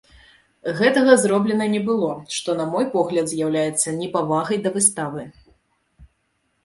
Гэтага зроблена не было, што, на мой погляд, з'яўляецца непавагай да выставы.